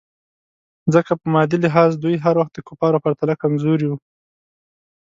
ځکه په مادي لحاظ دوی هر وخت د کفارو پرتله کمزوري وو.